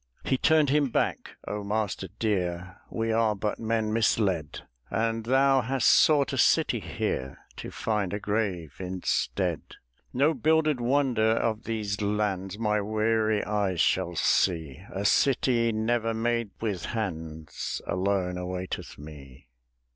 "He turned him back, 'O master dear, We are but men misled; And thou hast sought a city here To find a grave instead. "'No builded wonder of these lands My weary eyes shall see; A city never made with hands Alone awaiteth me.'"